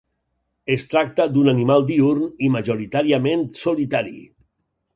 Es tracta d'un animal diürn i majoritàriament solitari.